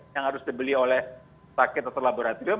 yang harus dibeli oleh pake tetor laboratorium